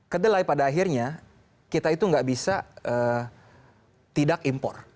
kedelai pada akhirnya kita itu nggak bisa tidak impor